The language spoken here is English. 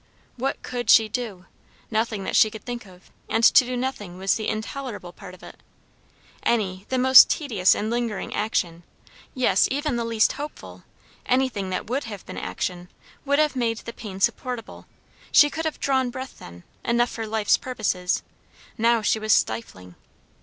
What could she do? Nothing that she could think of, and to do nothing was the intolerable part of it. Any, the most tedious and lingering action, yes, even the least hopeful, anything that would have been action, would have made the pain supportable; she could have drawn breath then, enough for life's purposes; now she was stifling.